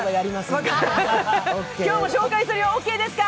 今日も紹介するよオッケーですか？